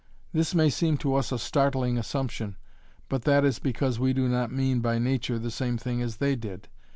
This may seem to us a startling assumption, but that is because we do not mean by 'nature' the same thing as they did.